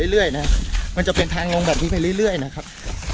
สมมุติว่ามันจะเป็นทางลงแบบนี้ไปเรื่อยนะครับ